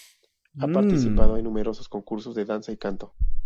Ha participado en numerosos concursos de danza y canto.